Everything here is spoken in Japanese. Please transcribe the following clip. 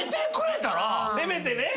せめてね。